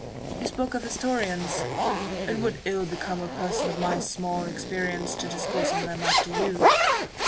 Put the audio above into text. You spoke of historians : it would ill become a person of my small experience to discourse on them after you.